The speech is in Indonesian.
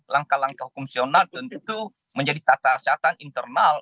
langkah langkah hukum pensional tentu menjadi tata catatan internal